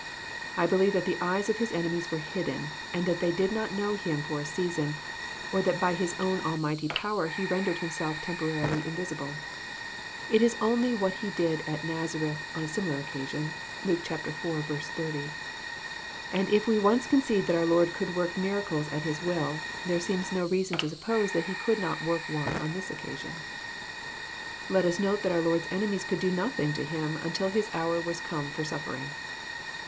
I believe that the eyes of Bis enemies were holden, and that they did not know Him for a season, or that by His own almighty power He rendered Him self temporarily invisible. It is only what He did at Nazareth on a similar occasion ; (Luke iv. 80 ;) and if we once concede that our Lord could work miracles at His will, there seems no reason to suppose that He would not work one on this occasion. Let us note that our Lord's enemies could do nothing to Him until His hour was come for suffering.